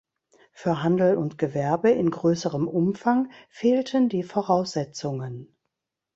Für Handel und Gewerbe in größerem Umfang fehlten die Voraussetzungen.